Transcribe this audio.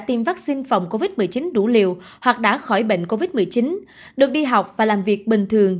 tiêm vaccine phòng covid một mươi chín đủ liều hoặc đã khỏi bệnh covid một mươi chín được đi học và làm việc bình thường